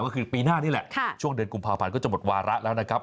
ก็คือปีหน้านี่แหละช่วงเดือนกุมภาพันธ์ก็จะหมดวาระแล้วนะครับ